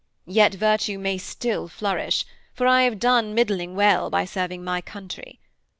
Yet virtue may still flourish, for I have done middling well by serving my country.